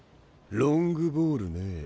ロングボールねえ。